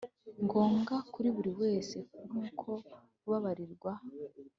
ngombwa kuri buri wese nk’uko kubabarirwa